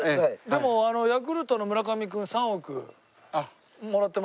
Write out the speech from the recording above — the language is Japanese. でもヤクルトの村上君３億もらってましたよね。